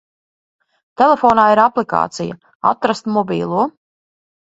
Telefonā ir aplikācija "Atrast mobilo".